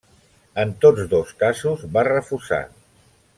En tots dos casos va refusar.